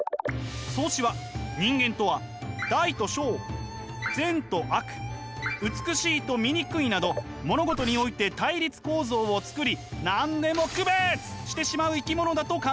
荘子は人間とは大と小善と悪美しいと醜いなど物事において対立構造を作り何でも区別してしまう生き物だと考えました。